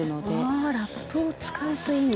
ああラップを使うといいんだ。